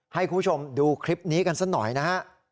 ให้คุณผู้ชมดูคลิปนี้กันสักหน่อยนะฮะ